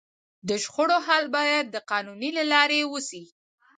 د شخړو حل باید د قانون له لارې وسي.